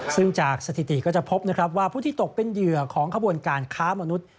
ซึ่งจากสถิติก็จะพบนะครับว่าผู้ที่ตกเป็นเหยื่อของขบวนการค้ามนุษย์